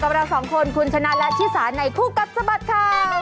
เราสองคนคุณชนะและชิสาในคู่กัดสะบัดข่าว